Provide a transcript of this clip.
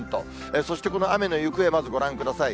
そしてこの雨の行方、まずご覧ください。